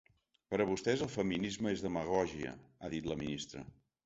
Per a votés el feminisme és demagògia, ha dit la ministra.